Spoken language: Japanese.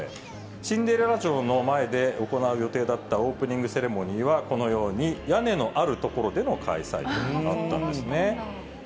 シンデレラ城の前で行う予定だったオープニングセレモニーは、このように屋根のある所での開催となったんですね。